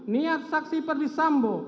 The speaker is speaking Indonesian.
niat saksi perdisambo